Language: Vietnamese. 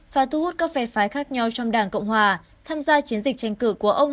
và thu hút các phe phái khác nhau trong đảng cộng hòa tham gia chiến dịch tranh cử của ông